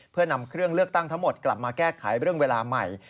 เพื่อนำเครื่องเลือกตั้งทั้งหมดกลับมาแก้ไขเรื่องเวลาใหม่